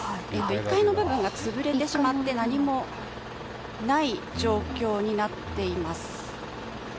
１階の部分が潰れてしまって何もない状況になっています。